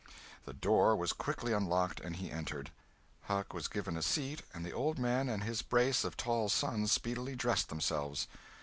The door was quickly unlocked, and he entered. Huck was given a seat and the old man and his brace of tall sons speedily dressed themselves.